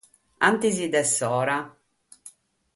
In antis de s'ora.